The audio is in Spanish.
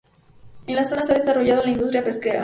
En la zona se ha desarrollado la industria pesquera.